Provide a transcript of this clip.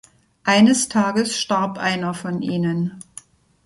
Eines Tages starb einer von ihnen.